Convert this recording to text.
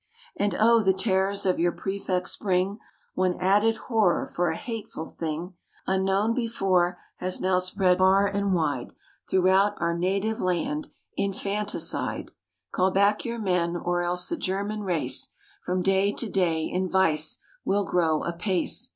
And, oh! the terrors of your prefects bring One added horror; for a hateful thing, Unknown before, has now spread far and wide Throughout our native land Infanticide! Call back your men, or else the German race From day to day in vice will grow apace.